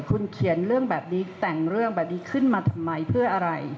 คุณเขียนเรื่องแบบนี้แต่งเรื่องแบบนี้ขึ้นมาทำไมเพื่ออะไร